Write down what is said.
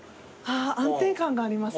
あ安定感があります